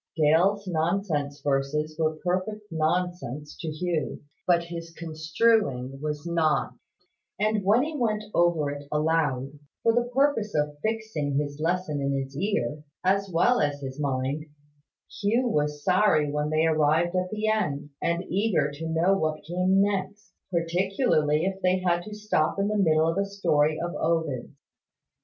Dale's nonsense verses were perfect nonsense to Hugh: but his construing was not: and when he went over it aloud, for the purpose of fixing his lesson in his ear, as well as his mind, Hugh was sorry when they arrived at the end, and eager to know what came next, particularly if they had to stop in the middle of a story of Ovid's.